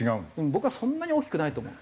僕はそんなに大きくないと思う。